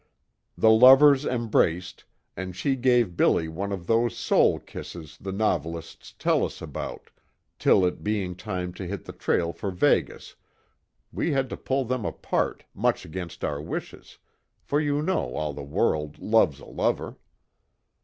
The lovers embraced, and she gave 'Billy' one of those soul kisses the novelists tell us about, till it being time to hit the trail for Vegas, we had to pull them apart, much against our wishes, for you know all the world loves a lover."